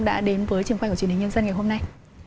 đã đến với trường khoa học truyền hình nhân dân ngày hôm nay